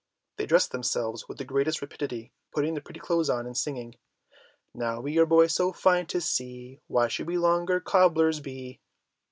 They dressed themselves with the greatest rapidity, putting the pretty clothes on, and singing, "Now we are boys so fine to see, Why should we longer cobblers be?"